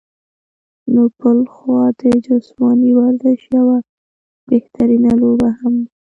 نو بلخوا د جسماني ورزش يوه بهترينه لوبه هم ده